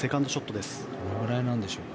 どのくらいなんでしょう。